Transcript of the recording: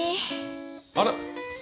あら！